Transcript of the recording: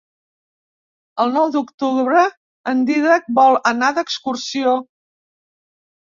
El nou d'octubre en Dídac vol anar d'excursió.